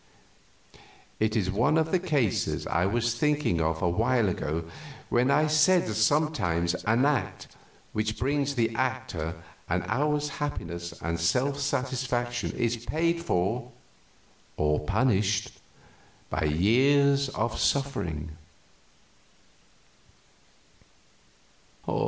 It is one of the cases I was thinking of awhile ago when I said that sometimes an act which brings the actor an hour's happiness and self satisfaction is paid for or punished by years of suffering."